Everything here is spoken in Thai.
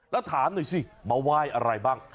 แล้วถามหน่อยสิมาไหว้อะไรบ้าง